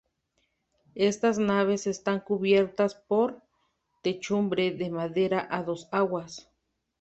Estas naves están cubiertas por techumbre de madera a dos aguas.